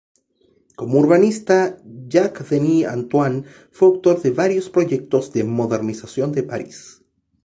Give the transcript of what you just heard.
Como urbanista, Jacques Denis Antoine fue autor de varios proyectos de modernización de París.